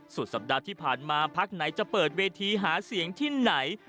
สุดสัปดาห์ที่ผ่านมาพักไหนจะเปิดเวทีหาเสียงที่ไหน